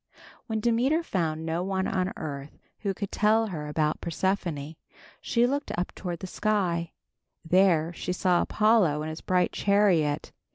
When Demeter found no one on earth who could tell her about Persephone, she looked up toward the sky. There she saw Apollo in his bright chariot.